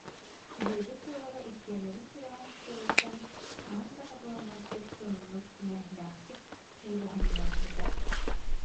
диэбит тыллара иккиэннэрин сүрэҕин сылытан хаһан да хатыламматтык, сонуннук, имэҥнээхтик уураһыннарбыта